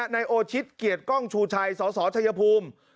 นายโอชิตเกียรติกล้องชูชัยสสชัยภูมิ